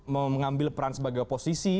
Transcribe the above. mengambil peran sebagai oposisi